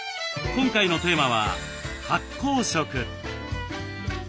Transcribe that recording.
今回のテーマは「発酵食」。